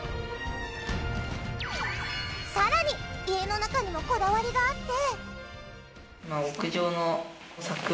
さらに家の中にもこだわりがあって。